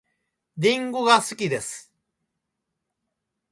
りんごが好きです